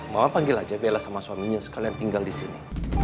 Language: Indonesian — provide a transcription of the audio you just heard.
mau panggil aja bella sama suaminya sekalian tinggal di sini